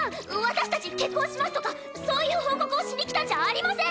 私たち結婚しますとかそういう報告をしに来たんじゃありません！